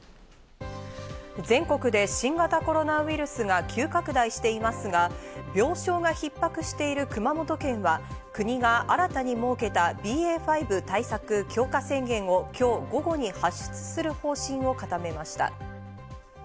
全国で新型コロナウイルスが急拡大していますが、病床が逼迫している熊本県は、国が新たに設けたＢＡ．５対策強化宣言を今日午後に発出する方針を固めました。